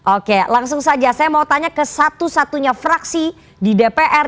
oke langsung saja saya mau tanya ke satu satunya fraksi di dpr